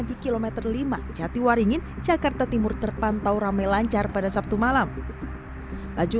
di kilometer lima jatiwaringin jakarta timur terpantau rame lancar pada sabtu malam laju